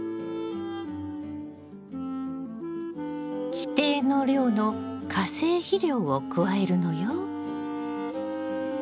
規定の量の化成肥料を加えるのよ。